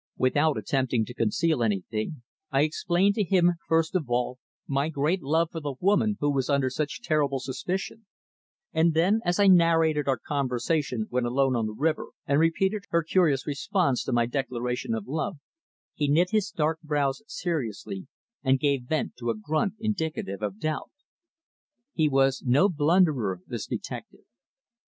Without attempting to conceal anything, I explained to him first of all my great love for the woman who was under such terrible suspicion, and then as I narrated our conversation when alone on the river, and repeated her curious response to my declaration of love, he knit his dark brows seriously and gave vent to a grunt indicative of doubt. He was no blunderer, this detective.